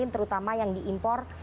terutama yang diimpor